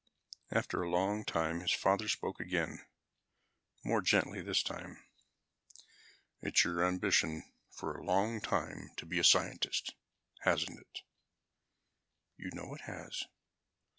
After a long time his father spoke again, more gently this time. "It's been your ambition for a long time to be a scientist, hasn't it?" "You know it has."